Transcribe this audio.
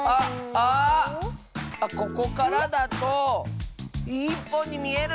⁉あっここからだと１ぽんにみえる！